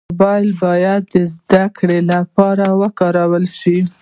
موبایل باید د زدهکړې لپاره وکارول شي.